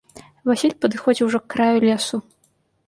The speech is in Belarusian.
Васіль падыходзіў ужо к краю лесу.